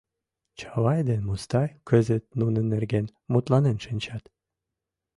Чавай ден Мустай кызыт нунын нерген мутланен шинчат.